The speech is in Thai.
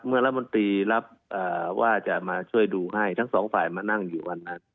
รัฐมนตรีรับว่าจะมาช่วยดูให้ทั้งสองฝ่ายมานั่งอยู่วันนั้น